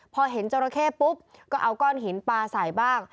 พอเห็นจรเขก็เอาก้อนหินปลาสายบ้าง